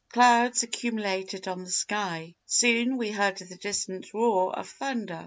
Clouds accumulated on the sky. Soon we heard the distant roar of thunder.